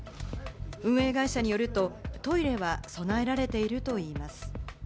運営会社によると、トイレは備えられているといいます。